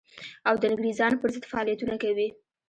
او د انګرېزانو پر ضد فعالیتونه کوي.